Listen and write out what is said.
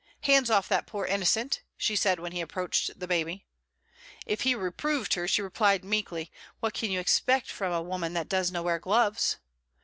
"Hands off that poor innocent," she said when he approached the baby. If he reproved her, she replied meekly, "What can you expect frae a woman that doesna wear gloves?"